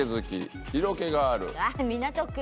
ああ港区。